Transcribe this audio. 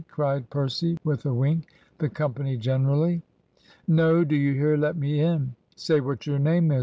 cried Percy, with a wink; the company generally. "No. Do you hear? Let me in!" "Say what your name is.